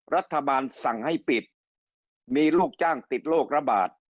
รัฐบาลสั่งให้ปิดมีลูกจ้างติดโรคระบาด